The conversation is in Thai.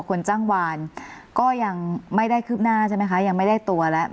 คนจ้างวานก็ยังไม่ได้คืบหน้าใช่ไหมคะยังไม่ได้ตัวแล้ว